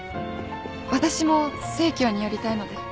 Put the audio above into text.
私も生協に寄りたいので。